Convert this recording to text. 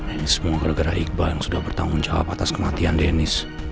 ini semua gara gara iqbal yang sudah bertanggung jawab atas kematian dennis